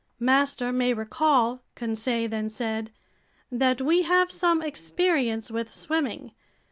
"Master may recall," Conseil then said, "that we have some experience with swimming.